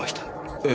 ええ。